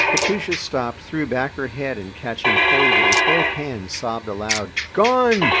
Katusha stopped, threw back her head, and catching hold of it with both hands sobbed aloud. "Gone!"